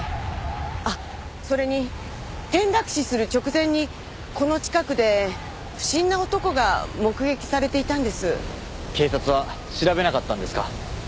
あっそれに転落死する直前にこの近くで不審な男が目撃されていたんです。警察は調べなかったんですか？